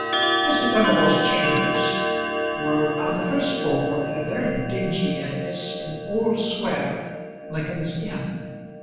Mr. Furnival's chambers were on the first floor in a very dingy edifice in Old Square, Lincoln's Inn.